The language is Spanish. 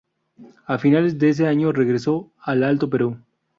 A fines de ese año regresó al Alto Perú.